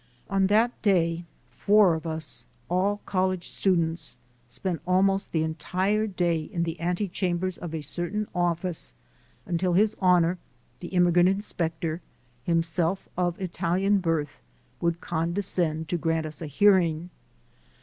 On that day four of us, all college stu dents, spent almost the entire day in the ante chambers of a certain office until his honor, the im migrant inspector, himself of Italian birth, would condescend to grant us a hearing.